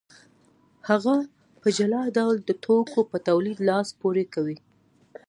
هغه په جلا ډول د توکو په تولید لاس پورې کوي